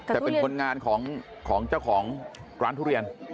แต่เป็นคนงานของเจ้าของร้านทุเรียน